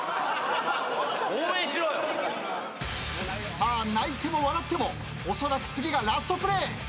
さあ泣いても笑ってもおそらく次がラストプレー。